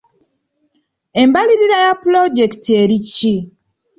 Embalirira ya pulojekiti eri ki?